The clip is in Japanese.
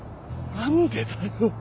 何でだよ。